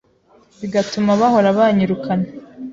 bigatuma bahora banyirukana